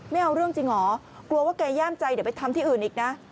ไม่เอาเรื่องจริงเหรอกลัวว่าแกย่ามใจเดี๋ยวไปทำที่อื่นอีกนะ